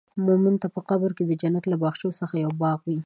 مؤمن ته به قبر د جنت له باغونو څخه یو باغ وي.